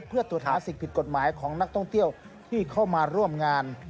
เพื่อตรวจหาสิ่งผิดกฎหมายของนักท่องเที่ยวที่เข้ามาร่วมงาน